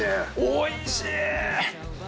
おいしい！